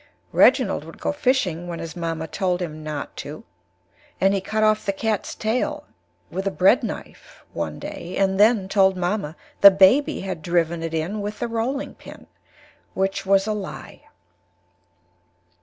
Reginald would go Fishing when his Mamma told him Not to, and he Cut off the Cat's Tail with the Bread Knife one Day, and then told Mamma the Baby had Driven it in with the Rolling Pin, which was a Lie.